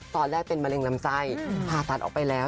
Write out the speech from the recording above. ตอนแรกเป็นมะเร็งลำไส้ผ่าตัดออกไปแล้ว